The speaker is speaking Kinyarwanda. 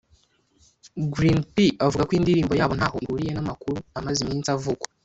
Green P avuga ko indirimbo yabo ntaho ihuriye n’amakuru amaze iminsi avugwa